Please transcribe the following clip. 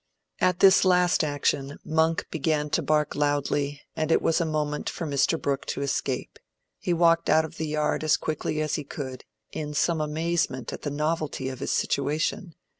At this last action Monk began to bark loudly, and it was a moment for Mr. Brooke to escape. He walked out of the yard as quickly as he could, in some amazement at the novelty of his situation.